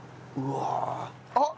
あっ！